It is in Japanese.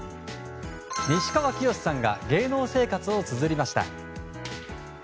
西川きよしさんが芸能生活をつづりました。